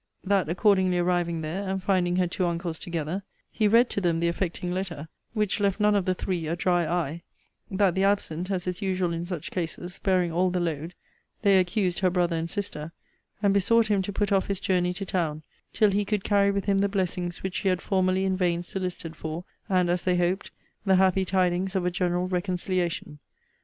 'That accordingly arriving there, and finding her two uncles together, he read to them the affecting letter; which left none of the three a dry eye: that the absent, as is usual in such cases, bearing all the load, they accused her brother and sister; and besought him to put off his journey to town, till he could carry with him the blessings which she had formerly in vain solicited for; and (as they hoped) the happy tidings of a general reconciliation.